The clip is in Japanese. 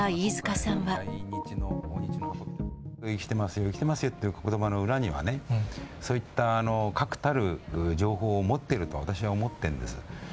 生きてますよ、生きてますよってことばの裏にはね、そういった確たる情報を持っていると、私は思ってるんです。